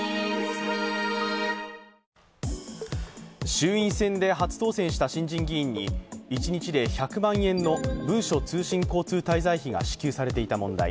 衆院選で初当選した新人議員に一日で１００万円の文書通信交通滞在費が支給されていた問題。